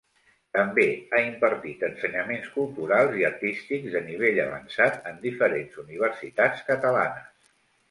També ha impartit ensenyaments culturals i artístics de nivell avançat en diferents universitats catalanes.